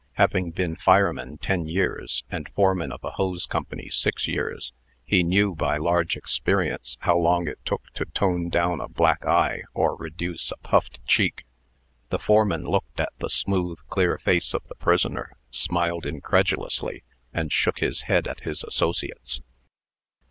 Having been fireman ten years, and foreman of a hose company six years, he knew by large experience how long it took to tone down a black eye or reduce a puffed cheek. The foreman looked at the smooth, clear face of the prisoner, smiled incredulously, and shook his head at his associates.